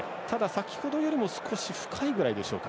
先ほどよりも少し深いぐらいでしょうか。